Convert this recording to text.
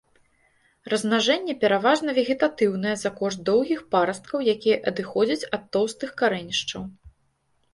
Размнажэнне пераважна вегетатыўнае за кошт доўгіх парасткаў, якія адыходзяць ад тоўстых карэнішчаў.